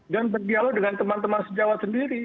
dan berdialog dengan teman teman sejauh sendiri